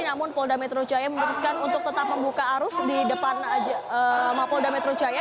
namun polda metro jaya memutuskan untuk tetap membuka arus di depan mapolda metro jaya